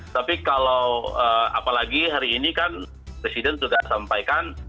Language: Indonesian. tapi kalau apalagi hari ini kan presiden sudah sampaikan